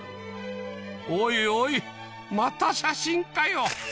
おいおいまた写真かよ